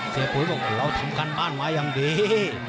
เสือผู้บอกเราทำการบ้านไว้อย่างดี